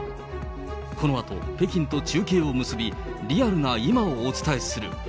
このあと北京と中継を結び、リアルな今をお伝えする。